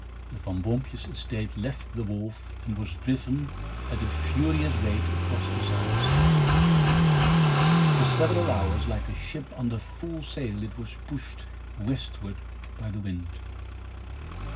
The Van Boompjes estate left the wharf and was driven, at a furious rate, across the Zuyder Zee. For several hours, like a ship under full sail, it was pushed westward by the wind.